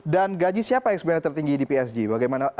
dan gaji siapa yang sebenarnya tertinggi di psg